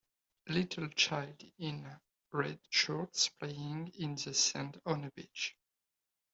Little child in red shorts playing in the sand on a beach.